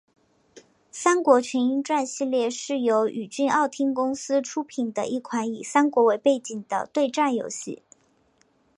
三国群英传系列是由宇峻奥汀公司出品的一款以三国为背景的对战游戏。